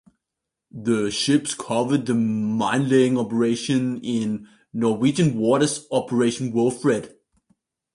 The ships covered the minelaying operation in Norwegian waters, Operation Wilfred.